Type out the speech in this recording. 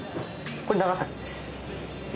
これ長崎です。